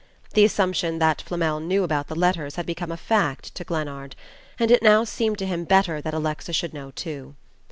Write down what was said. The assumption that Flamel knew about the letters had become a fact to Glennard; and it now seemed to him better that Alexa should know too.